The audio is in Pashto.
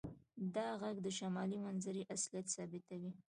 دا غږ د شمالي منظرې اصلیت ثابتوي